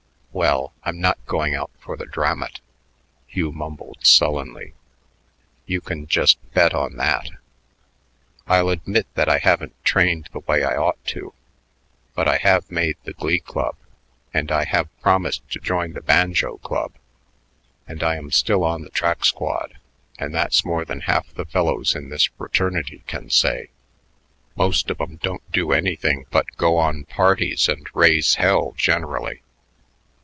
"Well, I'm not going out for the Dramat," Hugh mumbled sullenly; "you can just bet on that. I'll admit that I haven't trained the way I ought to, but I have made the Glee Club, and I have promised to join the Banjo Club, and I am still on the track squad, and that's more than half the fellows in this fraternity can say. Most of 'em don't do anything but go on parties and raise hell generally.